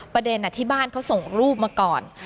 ประเด็นที่บ้านเขาส่งรูปมาก่อน